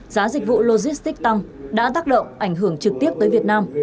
giá dịch vụ logistics tăng đã tác động ảnh hưởng trực tiếp tới việt nam